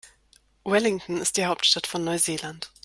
Wellington ist die Hauptstadt von Neuseeland.